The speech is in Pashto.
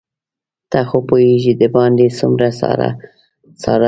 ته خو پوهېږې دباندې څومره ساړه دي.